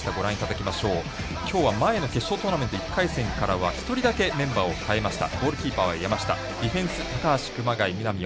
今日は前の決勝トーナメント１回戦からは１人だけメンバーを代えました。